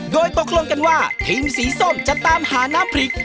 โดยตกลงกันว่าทีมสีส้มจะตามหาน้ำพริก